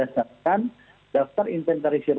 mendasarkan daftar inventarisir